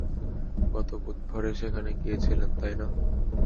গত বুধবারে সেখানে গিয়েছিলেন, তাইনা?